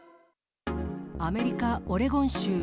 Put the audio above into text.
アメリカ・オレゴン州。